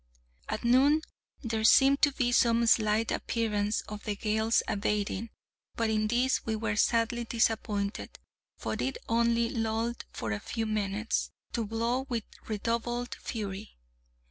At noon there seemed to be some slight appearance of the gale's abating, but in this we were sadly disappointed, for it only lulled for a few minutes to blow with redoubled fury.